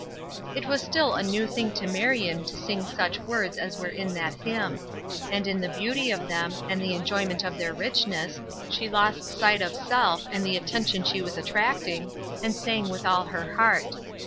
It was still a new thing to Marion to sing such words as were in that hymn; and in the beauty of them, and the enjoyment of their richness, she lost sight of self and the attention she was attracting, and sang with all her heart.